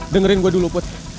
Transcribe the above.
dengerin gue dulu put